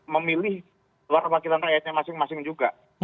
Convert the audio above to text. memilih luarwakilan rakyatnya masing masing juga